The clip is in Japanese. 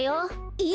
えっ？